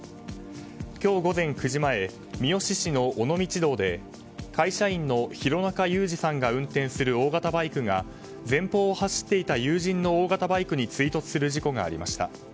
今日午前９時前三次市の尾道道で会社員の廣中勇二さんが運転する大型バイクが前方を走っていた友人の大型バイクに追突する事故がありました。